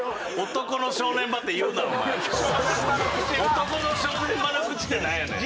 男の正念場の口って何やねん？